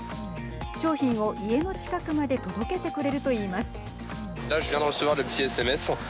商品を家の近くまで届けてくれるといいます。